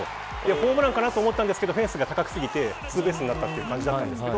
ホームランかなと思ったんですけどフェンスが高過ぎてツーベースになったという感じです。